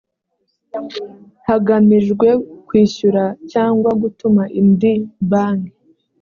hagamijwe kwishyura cyangwa gutuma indi banki